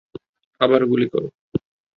আবার গুলি করো।